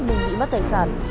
mình bị mất tài sản